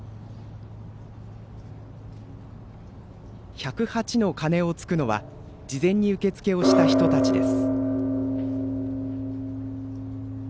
１０８の鐘をつくのは事前に受け付けをした人たちです。